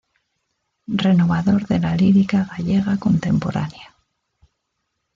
Renovador de la lírica gallega contemporánea.